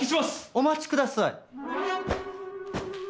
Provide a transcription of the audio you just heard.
お待ちください。